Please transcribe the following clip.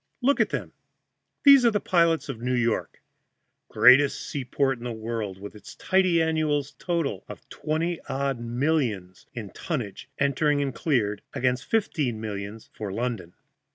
Look at them! These are the pilots of New York, greatest seaport in the world, with its tidy annual total of twenty odd millions in tonnage entered and cleared, against fifteen millions for London.